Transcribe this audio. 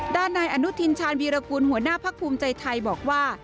ด้านนายอนุทินชาญวีรกูลหัวหน้าพักภูมิใจไทยบอกว่า